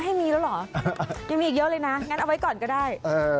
ให้มีแล้วเหรอยังมีอีกเยอะเลยนะงั้นเอาไว้ก่อนก็ได้